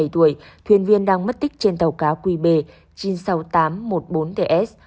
ba mươi tuổi thuyền viên đang mất tích trên tàu cá qb chín mươi sáu nghìn tám trăm một mươi bốn ts